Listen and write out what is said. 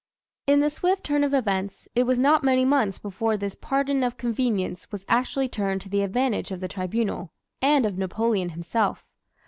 In the swift turn of events, it was not many months before this pardon of convenience was actually turned to the advantage of the Tribunal and of Napoleon himself.